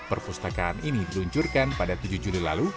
perpustakaan ini diluncurkan pada tujuh juli lalu